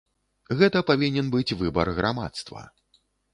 Гэта павінен быць выбар грамадства.